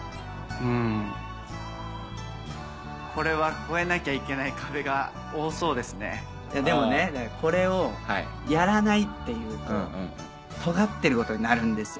うんこれは越えなきゃいけない壁が多そうででもねこれを「やらない」って言うととがってることになるんですよ。